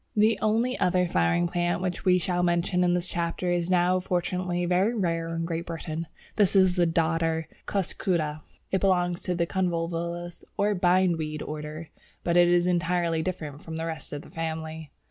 The only other flowering plant which we shall mention in this chapter is now fortunately very rare in Great Britain. This is the Dodder, Cuscuta. It belongs to the Convolvulus or Bindweed order, but is entirely different from the rest of the family.